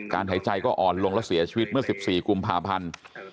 หายใจก็อ่อนลงและเสียชีวิตเมื่อ๑๔กุมภาพันธ์